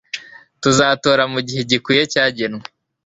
tuzatora mugihe gikwiye cyagenwe